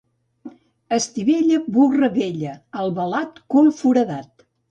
Estivella, burra vella; Albalat, cul foradat.